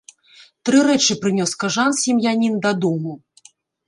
Тры рэчы прынёс кажан сем'янін дадому.